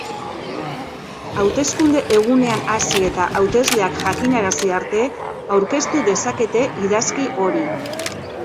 Hauteskunde egunean hasi eta hautesleak jakinarazi arte aurkeztu dezakete idazki hori.